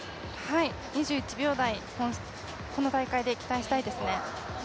２１秒台、この大会で期待したいですね。